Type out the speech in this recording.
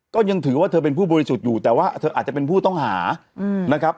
ก็ยังถือว่าเธอเป็นผู้บริสุทธิ์อยู่แต่ว่าเธออาจจะเป็นผู้ต้องหานะครับ